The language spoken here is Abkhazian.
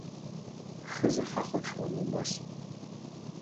Ҳхыза ҳахәаҽуан убас.